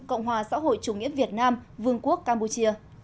cộng hòa xã hội chủ nghĩa việt nam vương quốc campuchia